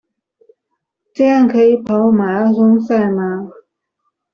這樣可以跑馬拉松賽嗎？